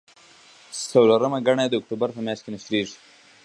څلورمه ګڼه یې د اکتوبر په میاشت کې نشریږي.